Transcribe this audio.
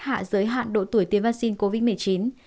hạ giới hạn độ tuổi tiêm vaccine covid một mươi chín